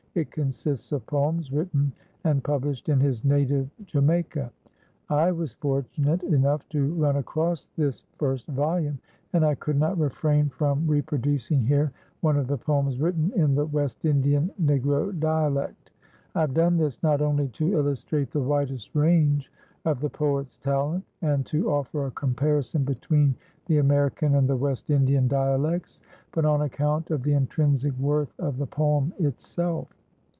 It consists of poems written and published in his native Jamaica. I was fortunate enough to run across this first volume, and I could not refrain from reproducing here one of the poems written in the West Indian Negro dialect. I have done this not only to illustrate the widest range of the poet's talent and to offer a comparison between the American and the West Indian dialects, but on account of the intrinsic worth of the poem itself.